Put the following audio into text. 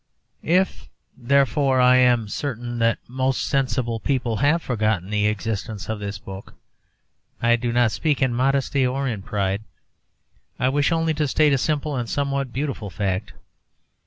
If, therefore, I am certain that most sensible people have forgotten the existence of this book I do not speak in modesty or in pride I wish only to state a simple and somewhat beautiful fact.